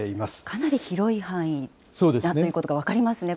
かなり広い範囲だということが分かりますね。